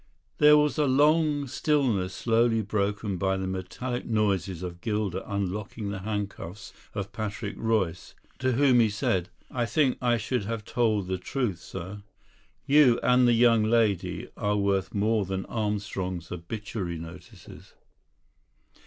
There was a long stillness slowly broken by the metallic noises of Gilder unlocking the handcuffs of Patrick Royce, to whom he said: "I think I should have told the truth, sir. You and the young lady are worth more than Armstrong's obituary notices."